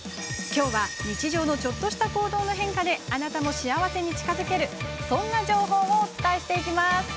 きょうは日常のちょっとした行動の変化であなたも幸せに近づけるそんな情報をお伝えします。